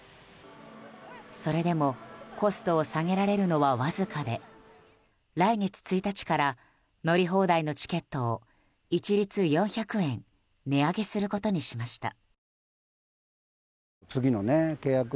それでもコストを下げられるのはわずかで来月１日から乗り放題のチケットを一律４００円値上げすることにしました。